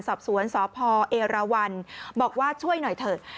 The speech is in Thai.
สอบสวนสพเอราวันบอกว่าช่วยหน่อยเถอะ